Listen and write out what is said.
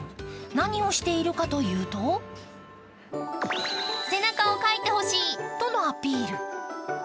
何をしているかというと背中をかいてほしいとのアピール。